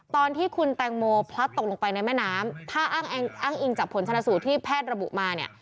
ตอนที่คุณแตงโมพลัดตกลงไปในแม่น้ำถ้าอ้างอิงจากผลชนะสูตรที่แพทย์ระบุมาเนี่ย